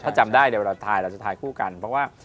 ถ้าจำได้เดี๋ยวเราทายเราจะถ่ายคู่กันเพราะว่า